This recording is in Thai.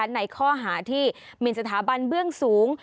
ในข้อหาที่หมินสถาบันเบื้องสูง